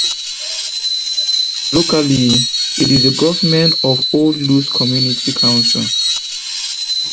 Locally it is governed by Old Luce Community Council.